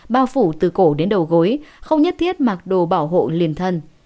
bao phủ từ cổ đến đầu gối không nhất thiết mặc đồ bảo hộ liền thân